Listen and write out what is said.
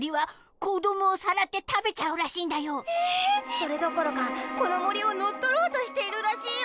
それどころかこのもりをのっとろうとしているらしいよ。